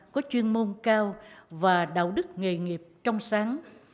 có chuyên môn cao và đạo đức nghề nghiệp trong sáng